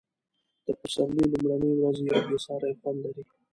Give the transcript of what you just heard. د پسرلي لومړنۍ ورځې یو بې ساری خوند لري.